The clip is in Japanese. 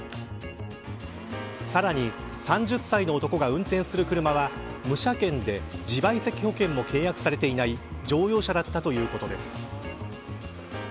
さらに３０歳の男が運転する車は無車検で自賠責保険も契約されていない乗用車だったということです。